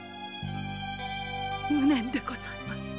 無念でございます。